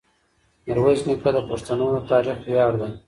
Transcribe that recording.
میرویس نیکه د پښتنو د تاریخ ویاړ دی.